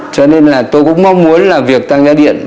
cho nên là tôi cũng mong muốn là việc tăng giá điện